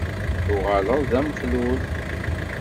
Tuɣaleḍ d amexlul?